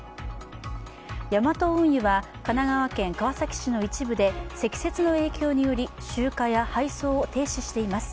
ヤマト運輸は神奈川県川崎市の一部で積雪の影響により集荷や配送を停止しています。